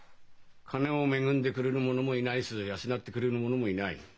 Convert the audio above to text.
金を恵んでくれる者もいないし養ってくれる者もいない。